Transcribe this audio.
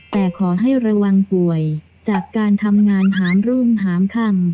แต่ขอให้ระวังป่วยจากการทำงานหามรุ่งหามค่ำ